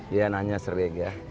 iya nanya sering ya